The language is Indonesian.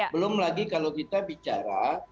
belum lagi kalau kita bicara